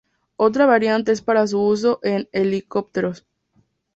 Otra variante es para su uso en helicópteros.